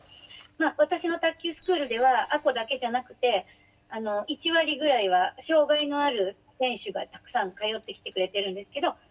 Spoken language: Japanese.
私の卓球スクールでは亜子だけじゃなくてあの１割ぐらいは障害のある選手がたくさん通ってきてくれてるんですけど。